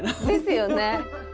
ですよね。